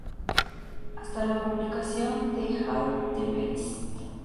Hasta la publicación de "All the Best!